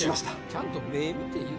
ちゃんと目見て。